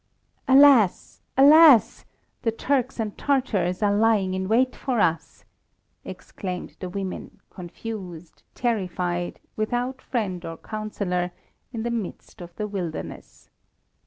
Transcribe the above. "Alas, alas! the Turks and Tartars are lying in wait for us," exclaimed the women, confused, terrified, without friend or counsellor, in the midst of the wilderness.